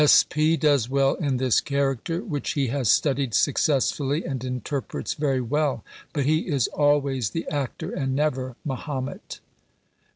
S. P. does well in this character, which he has studied successfully and interprets very well, but he is always the actor and never Mahomet.